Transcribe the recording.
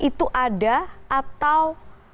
itu ada atau